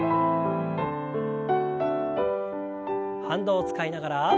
反動を使いながら。